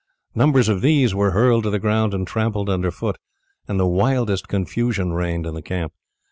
Numbers of these were hurled to the ground and trampled under foot, and the wildest confusion reigned in the camp.